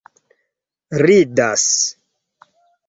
ridas